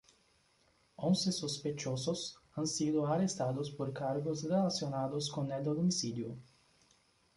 Once sospechosos han sido arrestados por cargos relacionados con el homicidio.